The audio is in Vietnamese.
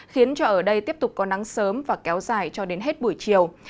khiến cho ở đây tiếp tục có nắng sớm và kéo dài cho đến hết buổi chiều